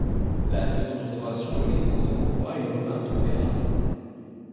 La Seconde Restauration le laissant sans emploi, il revint en Béarn.